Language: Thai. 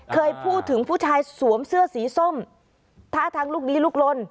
เคยพูดถึงผู้ชายสวมเสื้อสีส้มท่าทางลูกลีลุกลน